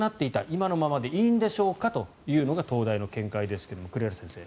今のままでいいんでしょうかというのが東大の見解ですが栗原先生